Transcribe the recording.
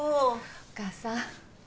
お義母さん。